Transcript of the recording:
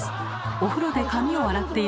お風呂で髪を洗っている時